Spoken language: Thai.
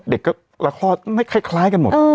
เด็กก็แล้วคลอดไม่คล้ายกันหมด